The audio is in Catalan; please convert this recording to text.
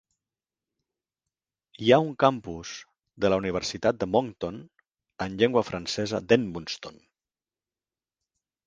Hi ha un campus de la Universitat de Moncton en llengua francesa d'Edmundston.